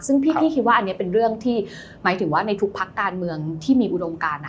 ซึ่งพี่คิดว่าอันนี้เป็นเรื่องที่หมายถึงว่าในทุกพักการเมืองที่มีอุดมการ